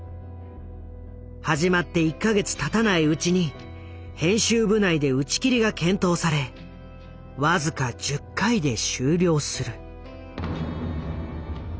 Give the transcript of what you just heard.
始まって１か月たたないうちに編集部内で打ち切りが検討され僅か１０回で終了する。